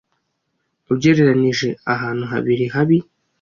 ugereranije ahantu habiri habi